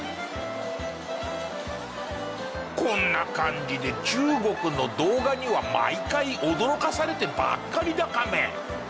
こんな感じで中国の動画には毎回驚かされてばっかりだカメ。